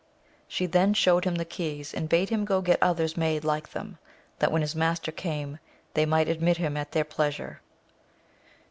She then showed him the keys, and bade him get others made like them, that when his master came they might admit him at their pleasure.